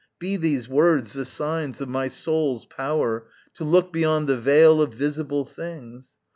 Be these words the signs Of my soul's power to look beyond the veil Of visible things.